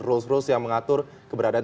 rules rules yang mengatur keberadaan